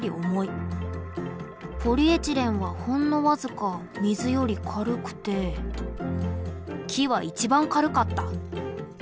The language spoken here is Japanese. ポリエチレンはほんのわずか水より軽くて木は一番軽かった。